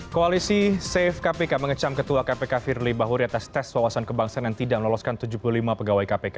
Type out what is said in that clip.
koalisi safe kpk mengecam ketua kpk firly bahuri atas tes wawasan kebangsaan yang tidak meloloskan tujuh puluh lima pegawai kpk